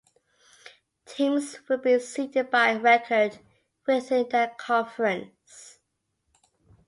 Teams will be seeded by record within the conference.